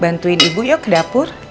bantuin ibu yuk ke dapur